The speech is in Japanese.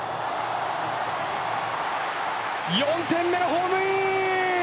４点目のホームイン。